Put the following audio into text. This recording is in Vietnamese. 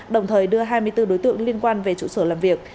đồng thời đưa hai mươi bốn đối tượng liên quan về trụ sở làm việc